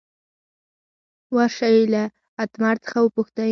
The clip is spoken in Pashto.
ور شئ له اتمر څخه وپوښتئ.